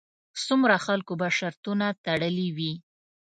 څومره خلکو به شرطونه تړلې وي.